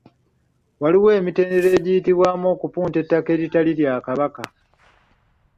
Waliwo emitendera egiyitibwamu okupunta ettaka eritali lya Kabaka.